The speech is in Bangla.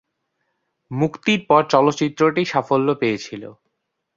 মুক্তির পর চলচ্চিত্রটি সাফল্য পেয়েছিল।